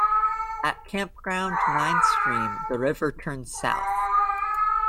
At "Campground Nine Stream" the river turns south.